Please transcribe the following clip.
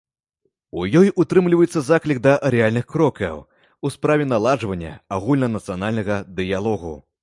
У ёй утрымліваецца заклік да рэальных крокаў у справе наладжвання агульнанацыянальнага дыялогу.